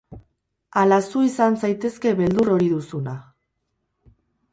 Ala zu izan zaitezke beldur hori duzuna.